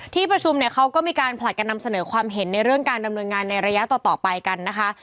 ที่ประชุมเนี่ยเขาก็มีการผลัดกันนำเสนอความเห็นในเรื่องการดำเนินงานในระยะต่อไปกันนะคะ